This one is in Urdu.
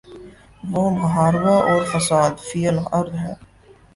وہ محاربہ اور فساد فی الارض ہے۔